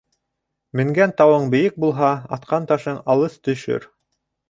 Менгән тауың бейек булһа, атҡан ташың алыҫ төшөр.